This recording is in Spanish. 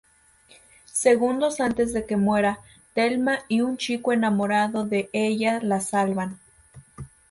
Segundos antes de que muera, Thelma y un chico enamorado de Ella la salvan.